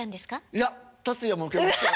いや達也も受けましたよ。